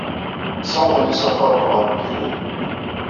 Ssawḍen isafaren ɣer wegrir.